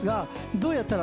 どうやったら」